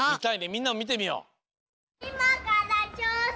みんなもみてみよう。